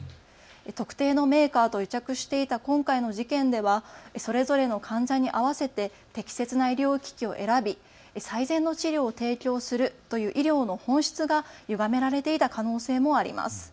特定のメーカーと癒着していた今回の事件ではそれぞれの患者に合わせて適切な医療機器を選び最善の治療を提供するという医療の本質がゆがめられていた可能性もあります。